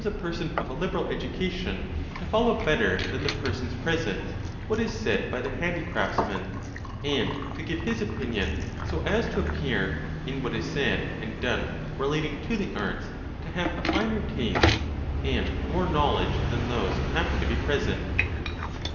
a person of a liberal education, to follow better than the persons present, what is said by the handicraftsman ; and to give his opinion so as to appear, in what is said and done relating to the arts, to have a finer taste, and more knowledge, than those who happen to be present.